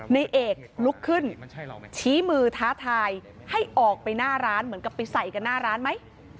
ในเอกลุกขึ้นชี้มือท้าทายให้ออกไปหน้าร้านเหมือนกับไปใส่กันหน้าร้านไหม